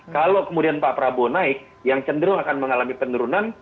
kalau kemudian pak prabowo naik yang cenderung akan mengalami penurunan